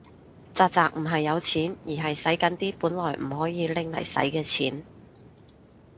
宅宅唔係有錢，而係洗緊啲本來唔可以拎嚟洗嘅錢